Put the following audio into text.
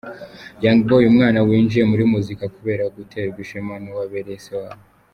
Young Boy umwana winjiye muri muzika kubera guterwa ishema n'uwo abereye se wabo.